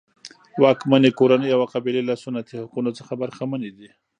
واکمنې کورنۍ او قبیلې له سنتي حقونو څخه برخمنې دي.